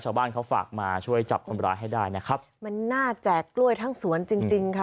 ชาวบ้านเขาฝากมาช่วยจับคนร้ายให้ได้นะครับมันน่าแจกกล้วยทั้งสวนจริงจริงค่ะ